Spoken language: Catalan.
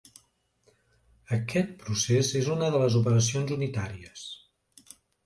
Aquest procés és una de les operacions unitàries.